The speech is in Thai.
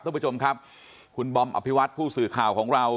เกือบไปชมครับคุณอภิวัตผู้สื่อข่าวของเรา